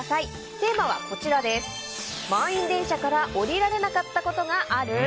テーマは、満員電車から降りられなかったことがある？